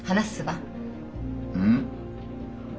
うん？